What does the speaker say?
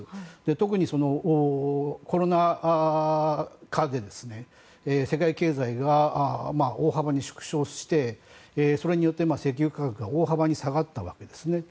特に、コロナ禍で世界経済が大幅に縮小してそれによって石油価格が大幅に下がったわけですね。